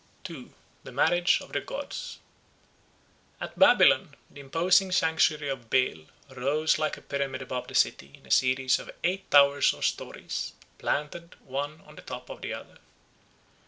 2. The Marriage of the Gods AT BABYLON the imposing sanctuary of Bel rose like a pyramid above the city in a series of eight towers or stories, planted one on the top of the other.